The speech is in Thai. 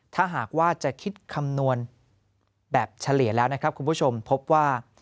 ถ้าหากว่าจะคิดคำนวณแบบเฉลี่ยแล้วนะครับคุณผู้ชมพบว่า